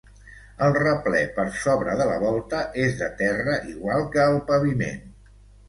El replè per sobre de la volta és de terra igual que el paviment.